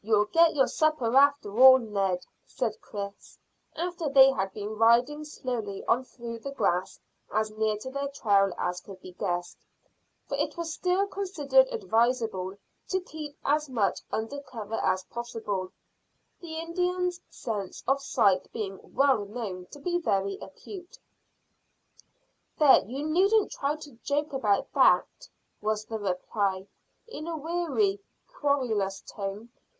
"You'll get your supper after all, Ned," said Chris, after they had been riding slowly on through the grass as near to their trail as could be guessed, for it was still considered advisable to keep as much under cover as possible, the Indians' sense of sight being well known to be very acute. "There, you needn't try to joke about that," was the reply, in a weary, querulous tone.